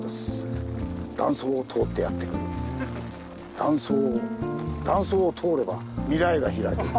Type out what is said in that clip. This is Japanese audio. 断層を断層を通れば未来が開ける。